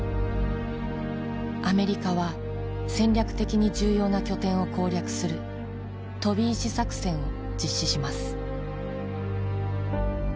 アメリカは戦略的に重要な拠点を攻略する飛び石作戦を実施します。